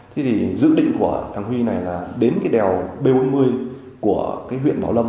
thế thì dự định của đảng huy này là đến cái đèo b bốn mươi của cái huyện bảo lâm